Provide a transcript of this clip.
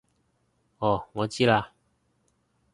哦我知喇